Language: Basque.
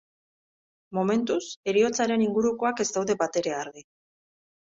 Momentuz, heriotzaren ingurukoak ez daude batere argi.